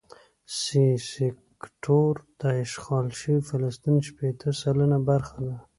سي سیکټور د اشغال شوي فلسطین شپېته سلنه برخه ده.